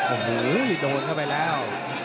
โอ้โหโดนเข้าไปแล้ว